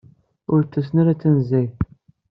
Ur d-ttasen ara tanezzayt.